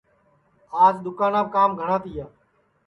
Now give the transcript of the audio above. آج دؔوکاناپ کام گھٹؔا تیا